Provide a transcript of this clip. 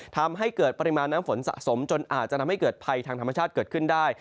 ทำให้เกิดปริมาณน้ำฝนสะสมจนอาจจะทำให้เกิดภัยทางธรรมชาติเกิดขึ้นได้